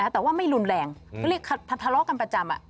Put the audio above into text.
แต่ว่าไม่รุนแรงทะเลาะกันประจำอ่ะ